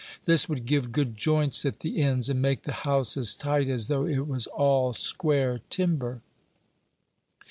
This would give good joints at the ends, and make the house as tight as though it was all square timber.